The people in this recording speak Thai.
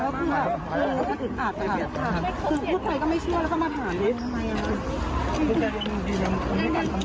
ขอรับคุณทุกคน